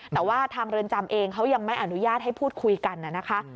แต่ว่าทางเรือนจำเองเขายังไม่อนุญาตให้พูดคุยกันนะคะ